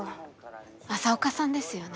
朝岡さんですよね。